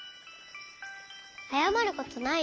あやまることないよ。